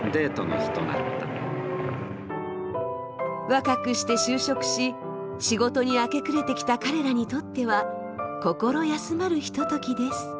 若くして就職し仕事に明け暮れてきた彼らにとっては心安まるひとときです。